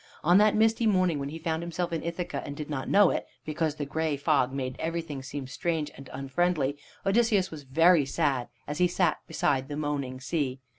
On that misty morning when he found himself in Ithaca, and did not know it, because the gray fog made everything seem strange and unfriendly, Odysseus was very sad as he sat beside the moaning sea.